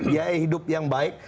yaitu hidup yang baik